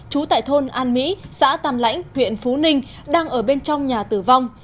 trú tại thôn an mỹ xã tàm lãnh huyện phú ninh đang ở bên trong nhà tử vong